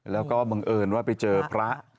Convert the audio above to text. แล้วก็เงินว่าไปเจอพระ